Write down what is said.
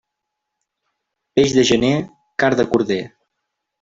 Peix de gener, carn de corder.